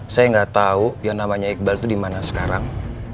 saya gak tau yang namanya iqbal dimana sekarang